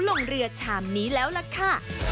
ลงเรือชามนี้แล้วล่ะค่ะ